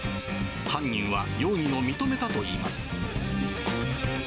犯人は容疑を認めたといいます。